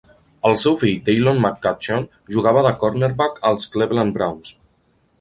El seu fill Daylon McCutcheon jugava de "cornerback" als Cleveland Browns.